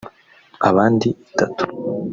abandi itatu